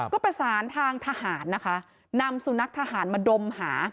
ก็ประสานทางทหารนำสู้นักทหารมาดมหา